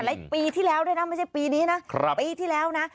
และปีที่แล้วด้วยนะไม่ใช่ปีนี้นะปีที่แล้วนะ